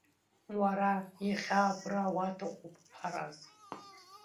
Уара иахьа абра уаҭахуп, Ҳараз!